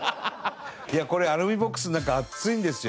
いやこれアルミボックスの中暑いんですよ。